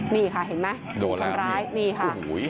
นี่ค่ะเห็นไหมโดนทำร้ายนี่ค่ะ